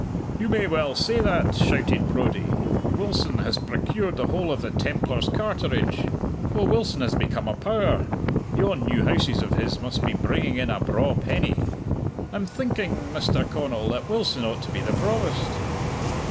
"You may well say that," shouted Brodie. "Wilson has procured the whole of the Templar's carterage. Oh, Wilson has become a power! Yon new houses of his must be bringing in a braw penny. I'm thinking, Mr. Connal, that Wilson ought to be the Provost!"